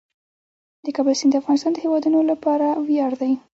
د کابل سیند د افغانستان د هیوادوالو لپاره ویاړ دی.